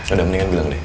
ada mendingan bilang deh